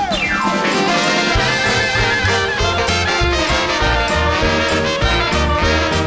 โปรดติดตามต่อไป